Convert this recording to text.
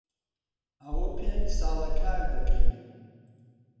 ئەوە پێنج ساڵە کار دەکەین.